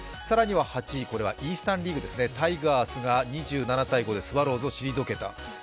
更には８位、イースタン・リーグ、タイガースが２７−５でスワローズを退けた。